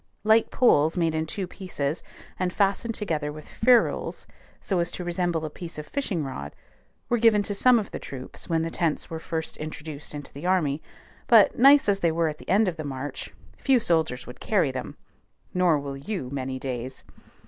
Light poles made in two pieces, and fastened together with ferrules so as to resemble a piece of fishing rod, were given to some of the troops when the tents were first introduced into the army; but, nice as they were at the end of the march, few soldiers would carry them, nor will you many days.